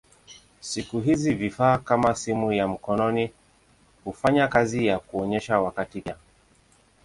Siku hizi vifaa kama simu ya mkononi hufanya kazi ya kuonyesha wakati pia.